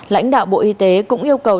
lãnh đạo bộ y tế cũng yêu cầu